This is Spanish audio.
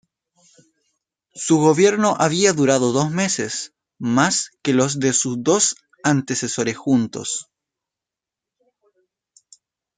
Su gobierno había durado dos meses, más que los de sus dos antecesores juntos.